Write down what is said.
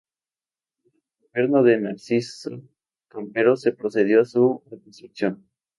Durante el gobierno de Narciso Campero se procedió a su reconstrucción.